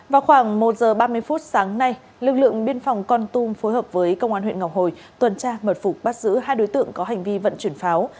vào khoảng một giờ ba mươi phút sáng nay lực lượng biên phòng con tum phối hợp với công an huyện ngọc hồi tuần tra mật phục bắt giữ hai đối tượng có hành vi vận chuyển pháo